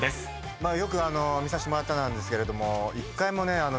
まあよく見させてもらってたんですけれども。